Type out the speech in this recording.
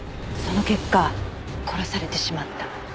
その結果殺されてしまった。